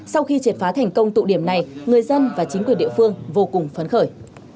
sau khi triệt phá thành công tụ điểm này người dân và chính quyền địa phương vô cùng phấn khởi